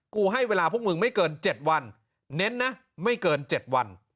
กูให้เวลาพวกมึงไม่เกินเจ็ดวันเน้นนะไม่เกินเจ็ดวัน